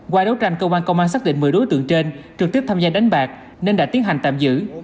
qua đấu tranh cơ quan công an xác định một mươi đối tượng trên trực tiếp tham gia đánh bạc nên đã tiến hành tạm giữ